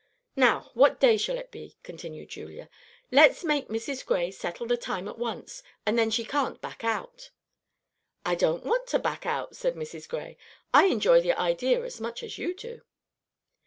"Now, what day shall it be?" continued Julia. "Let's make Mrs. Gray settle the time at once, and then she can't back out." "I don't want to back out," said Mrs. Gray. "I enjoy the idea as much as you do."